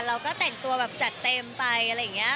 เราก็แต่งตัวแบบจัดเต็มไปอะไรอย่างนี้